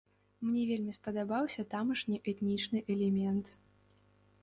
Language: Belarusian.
Мне вельмі спадабаўся тамашні этнічны элемент.